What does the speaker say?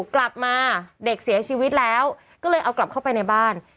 กลับมาเด็กเสียชีวิตแล้วก็เลยเอากลับเข้าไปในบ้าน